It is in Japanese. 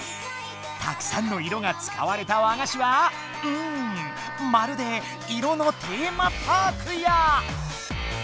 たくさんの色が使われた和菓子はうんまるで「色のテーマパーク」や！